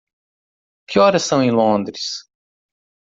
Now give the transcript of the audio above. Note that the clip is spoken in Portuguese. Que horas são em Londres?